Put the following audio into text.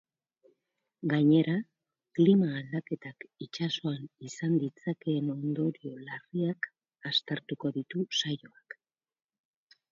Gainera, klima aldaketak itsasoan izan ditzakeen ondorio larriak aztertuko ditu saioak.